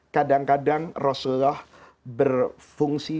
kadang kadang rasulullah berfungsi